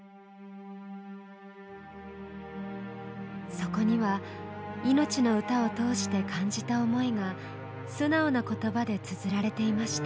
そこには「いのちの歌」を通して感じた思いが素直な言葉でつづられていました。